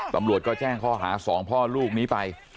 ตำรวจก็แจ้งข้อหา๒พ่อลูกนี้ไป